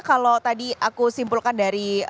kalau tadi aku simpulkan dari